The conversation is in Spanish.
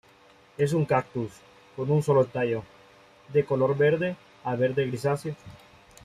Es un cactus con un solo tallo, de color verde a verde grisáceo.